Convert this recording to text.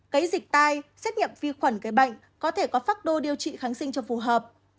cấy dịch tay xét nghiệm vi khuẩn cái bệnh có thể có phác đô điều trị kháng sinh cho phù hợp